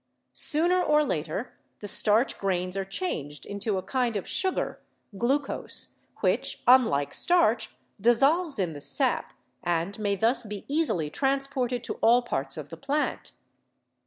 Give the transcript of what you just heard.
Sooner or later the starch grains are changed into a kind of sugar (glucose), which, unlike starch, dissolves in the sap and may thus be easily transported to all parts of the plant.